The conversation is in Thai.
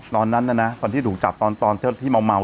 ตอนนั้นนะตอนที่ถูกจับตอนที่เมา